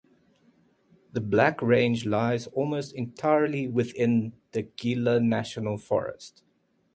The Black Range lies almost entirely within the Gila National Forest.